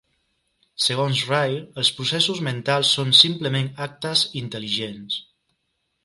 Segons Ryle, els processos mentals són simplement actes intel·ligents.